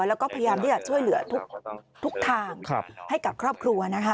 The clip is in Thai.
แล้วก็พยายามที่จะช่วยเหลือทุกทางให้กับครอบครัวนะคะ